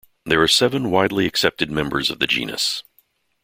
There are seven widely accepted members of the genus.